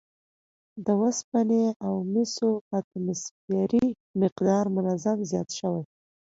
د اوسپنې او مسو اتوموسفیري مقدار منظم زیات شوی